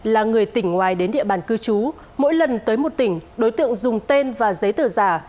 là người tỉnh ngoài đến địa bàn cư trú mỗi lần tới một tỉnh đối tượng dùng tên và giấy tờ giả